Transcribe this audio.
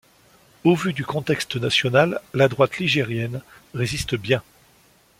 Au vu du contexte national, la droite ligérienne résiste bien.